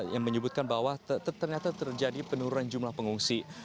yang menyebutkan bahwa ternyata terjadi penurunan jumlah pengungsi